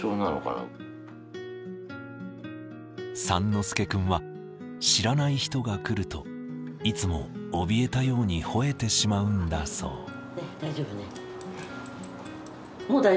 三之助くんは知らない人が来るといつもおびえたようにほえてしまうんだそう。